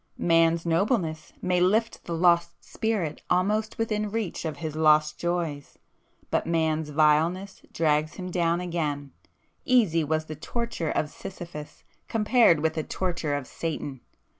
Man's nobleness may lift the Lost Spirit almost within reach of his lost joys,—but Man's vileness drags him down again,—easy was the torture of Sisyphus compared with the torture of Satan!